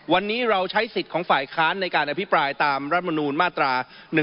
วันนี้เราใช้สิทธิ์ของฝ่ายค้านในการอภิปรายตามรัฐมนูลมาตรา๑๑